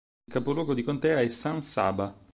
Il capoluogo di contea è San Saba.